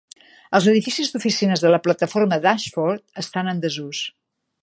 Els edificis d'oficines de la plataforma d'Ashford estan en desús.